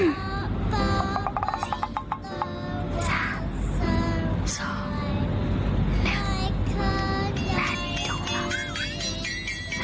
นาดีต้องหลับ